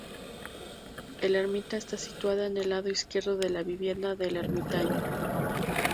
El ermita está situada en el lado izquierdo de la vivienda del ermitaño.